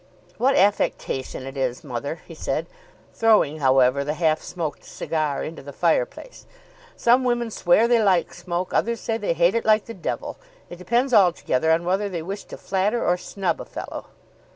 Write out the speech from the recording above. "What affectation it is, mother," he said, throwing, however, the half smoked cigar into the fire place. "Some women swear they like smoke, others say they hate it like the devil. It depends altogether on whether they wish to flatter or snub a fellow."